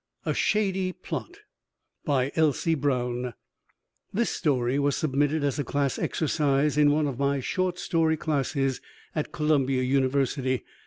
A SHADY PLOT BY ELSIE BROWN This story was submitted as a class exercise in one of my short story classes at Columbia University.